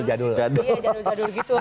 iya jadul jadul gitu